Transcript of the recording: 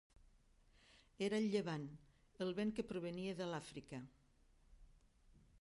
Era el llevant, el vent que provenia de l'Àfrica.